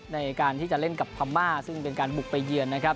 ในการที่จะเล่นกับพม่าซึ่งเป็นการบุกไปเยือนนะครับ